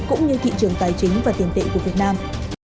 cũng như thị trường tài chính và tiền tệ của việt nam